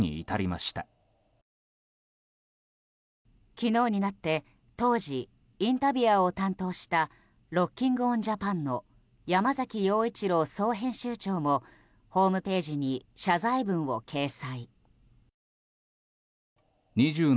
昨日になって当時、インタビュアーを担当したロッキング・オン・ジャパンの山崎洋一郎総編集長もホームページに謝罪文を掲載。